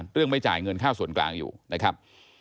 ไม่จ่ายเงินค่าส่วนกลางอยู่นะครับ